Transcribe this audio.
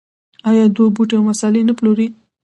آیا دوی بوټي او مسالې نه پلوري؟